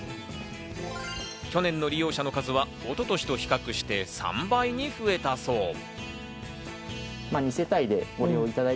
去年の利用者の数は一昨年と比較して３倍に増えたそう。